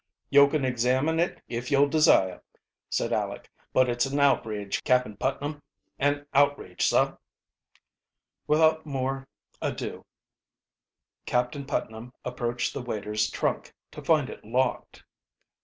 "Yo' kin examine it if yo' desire," said Aleck. "But it's an outrage, Cap'n Putnam, an' outrage, sah!" Without more ado Captain Putnam approached the waiter's trunk, to find it locked.